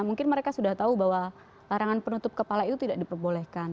mungkin mereka sudah tahu bahwa larangan penutup kepala itu tidak diperbolehkan